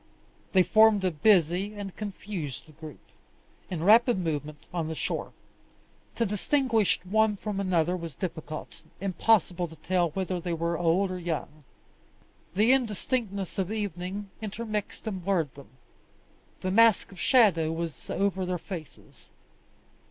They formed a busy and confused group, in rapid movement on the shore. To distinguish one from another was difficult; impossible to tell whether they were old or young. The indistinctness of evening intermixed and blurred them; the mask of shadow was over their faces.